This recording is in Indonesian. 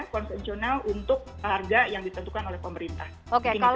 konvensional untuk harga yang ditentukan oleh pemerintah